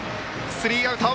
スリーアウト！